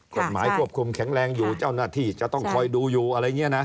กฎหมายควบคุมแข็งแรงอยู่เจ้าหน้าที่จะต้องคอยดูอยู่อะไรอย่างนี้นะ